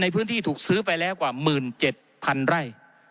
ในพื้นที่ถูกซื้อไปแล้วกว่าหมื่นเจ็ดพันไร่